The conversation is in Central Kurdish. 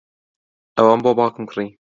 ئەوەم بۆ باوکم کڕی.